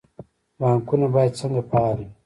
بانکونه باید څنګه فعال وي؟